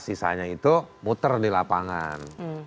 sisanya itu muter di lapangan